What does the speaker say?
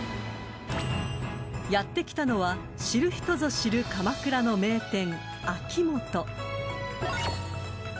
［やって来たのは知る人ぞ知る鎌倉の名店］